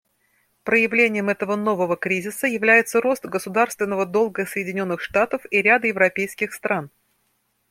Проявлением этого нового кризиса является рост государственного долга Соединенных Штатов и ряда европейских стран.